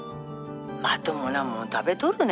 まともなもん食べとるね？